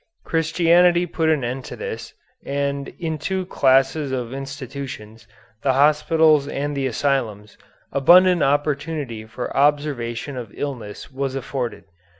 Christianity put an end to this, and in two classes of institutions, the hospitals and the asylums, abundant opportunity for observation of illness was afforded.